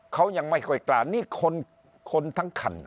เขายังไม่ค่อยกล้านี่คนทั้งคัน